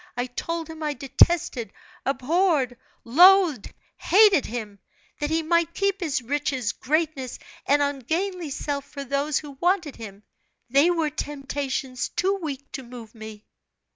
I told him I detested, abhorred, loathed, hated him; that he might keep his riches, greatness, and ungainly self for those who wanted him; they were temptations too weak to move me.